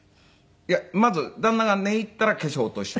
まず旦那が寝入ったら化粧落として。